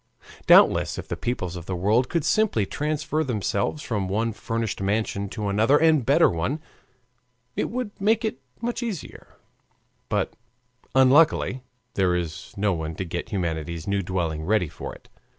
Doubtless if the peoples of the world could simply transfer themselves from one furnished mansion to another and better one it would make it much easier; but unluckily there is no one to get humanity's new dwelling ready for it.